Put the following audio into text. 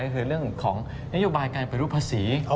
ก็คือเรื่องของนโยบายการปฏิรูปภาษี